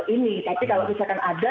ini tapi kalau bisa kan ada